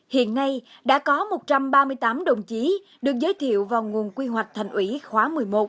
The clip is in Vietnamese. hiện nay đã có một trăm ba mươi tám đồng chí được giới thiệu vào nguồn quy hoạch thành ủy khóa một mươi một